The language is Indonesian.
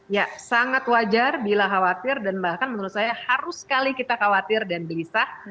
ya sangat wajar bila khawatir dan bahkan menurut saya harus sekali kita khawatir dan gelisah